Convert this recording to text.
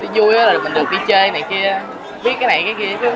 vui là mình được đi chơi này kia biết cái này cái kia